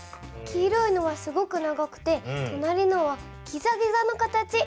黄色いのはすごく長くてとなりのはギザギザの形。